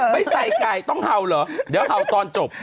ไม่ใจไกลต้องหาวเหรอเดี๋ยวหาวตอนจบ